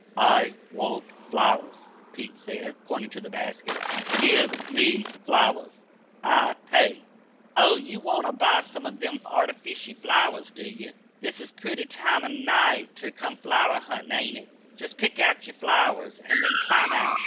"I want flowers," Pete said, pointing to the basket. "Give me flowers I pay." "Oh, ye wanter buy sum of them artyficial flowers, do ye? This is a pooty time o' night ter come flower huntin,' ain't it? Jest pick out yer flowers, an' then climb out!"